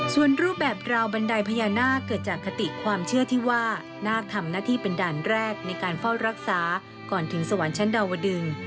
ส่วนรูปแบบกราวบันไดพญานาคเกิดจากคติความเชื่อที่ว่านาคทำหน้าที่เป็นด่านแรกในการเฝ้ารักษาก่อนถึงสวรรค์ชั้นดาวดึง